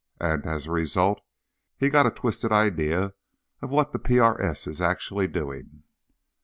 And, as a result, he got a twisted idea of what the PRS is actually doing.